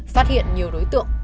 phát hiện nhiều đối tượng